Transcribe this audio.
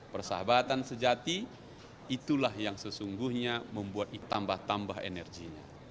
persahabatan sejati itulah yang sesungguhnya membuat tambah tambah energinya